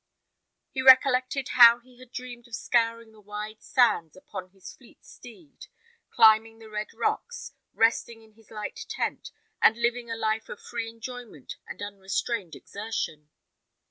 He recollected how he had dreamed of scouring the wide sands upon his fleet steed, climbing the red rocks, resting in his light tent, and living a life of free enjoyment and unrestrained exertion.